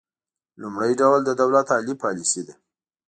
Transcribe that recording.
لومړی ډول د دولت عالي پالیسي ده